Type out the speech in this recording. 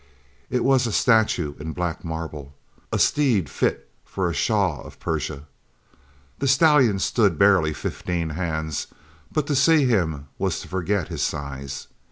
It was a statue in black marble, a steed fit for a Shah of Persia! The stallion stood barely fifteen hands, but to see him was to forget his size.